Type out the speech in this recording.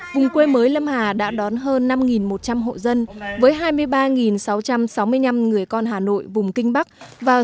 vùng quê mới lâm hà đã đón hơn năm một trăm linh hộ dân với hai mươi ba sáu trăm sáu mươi năm người con hà nội vùng kinh bắc vào